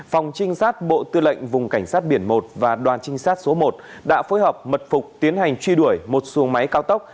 phòng trinh sát bộ tư lệnh vùng cảnh sát biển một và đoàn trinh sát số một đã phối hợp mật phục tiến hành truy đuổi một xuồng máy cao tốc